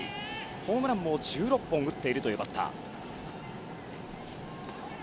ホームランも１６本打っているバッター。